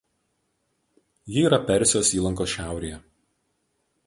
Ji yra Persijos įlankos šiaurėje.